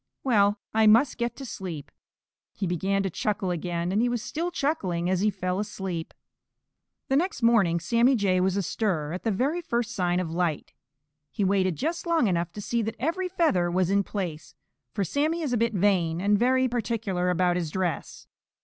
Well, I must get to sleep." He began to chuckle again, and he was still chuckling as he fell asleep. The next morning Sammy Jay was astir at the very first sign of light. He waited just long enough to see that every feather was in place, for Sammy is a bit vain, and very particular about his dress.